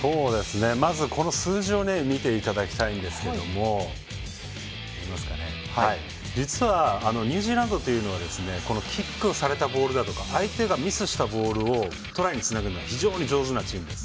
まず、この数字を見ていただきたいんですけど実は、ニュージーランドはキックされたボールだとか相手がミスしたボールをトライにつなげるのが非常に上手なチームです。